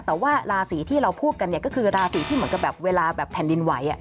แต่ว่าราศีที่เราพูดกันเนี่ยก็คือราศีที่เหมือนกับแบบเวลาแบบแผ่นดินไหว